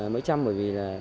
mấy trăm bởi vì là